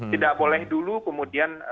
tidak boleh dulu kemudian